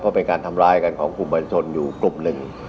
เพราะเป็นการทำร้ายกันของกลุ่มบัญชนอยู่กลุ่มหนึ่ง